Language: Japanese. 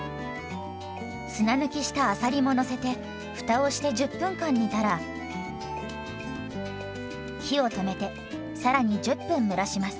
砂抜きしたあさりものせてふたをして１０分間煮たら火を止めてさらに１０分蒸らします。